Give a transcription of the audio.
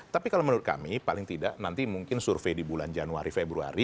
tapi kalau menurut kami paling tidak nanti mungkin survei di bulan januari februari